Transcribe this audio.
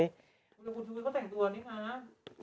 คุณชุวิตเขาแต่งตัวนี้ค่ะ